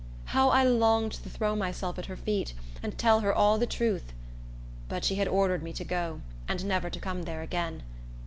How I longed to throw myself at her feet, and tell her all the truth! But she had ordered me to go, and never to come there again.